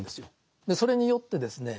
それによってですね